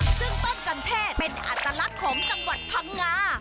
ซึ่งต้นจันเทศเป็นอัตลักษณ์ของจังหวัดพังงา